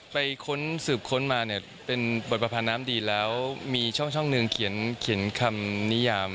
ค้นสืบค้นมาเนี่ยเป็นบทประพาน้ำดีแล้วมีช่องหนึ่งเขียนคำนิยาม